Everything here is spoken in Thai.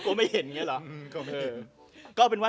ไม่เห็นอย่างนี้เหรอ